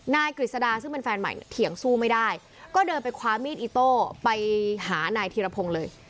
กฤษดาซึ่งเป็นแฟนใหม่เนี่ยเถียงสู้ไม่ได้ก็เดินไปคว้ามีดอิโต้ไปหานายธีรพงศ์เลย